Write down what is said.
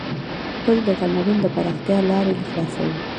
پل د تمدن د پراختیا لار خلاصوي.